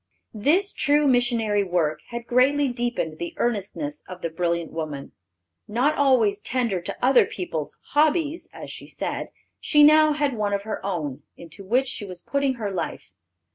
This true missionary work had greatly deepened the earnestness of the brilliant woman. Not always tender to other peoples' "hobbies," as she said, she now had one of her own, into which she was putting her life.